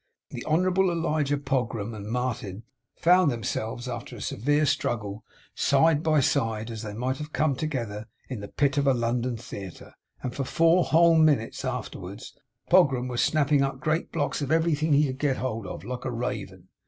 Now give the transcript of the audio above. The Honourable Elijah Pogram and Martin found themselves, after a severe struggle, side by side, as they might have come together in the pit of a London theatre; and for four whole minutes afterwards, Pogram was snapping up great blocks of everything he could get hold of, like a raven.